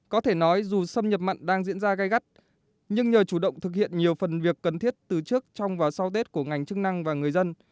có thể nói dù xâm nhập mặn đang diễn ra gai gắt nhưng nhờ chủ động thực hiện nhiều phần việc cần thiết từ trước trong và sau tết của ngành chức năng và người dân